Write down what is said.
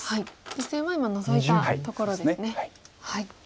実戦は今ノゾいたところですね。